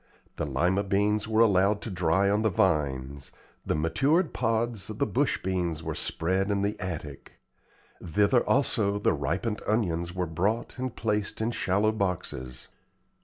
The Lima beans were allowed to dry on the vines; the matured pods of the bush beans were spread in the attic; thither also the ripened onions were brought and placed in shallow boxes.